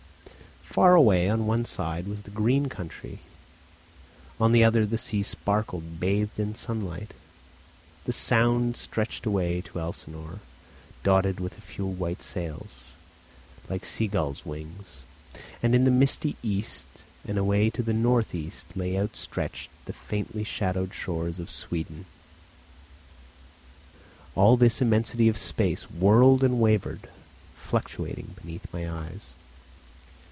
Far away on one side was the green country, on the other the sea sparkled, bathed in sunlight. The Sound stretched away to Elsinore, dotted with a few white sails, like sea gulls' wings; and in the misty east and away to the north east lay outstretched the faintly shadowed shores of Sweden. All this immensity of space whirled and wavered, fluctuating beneath my eyes.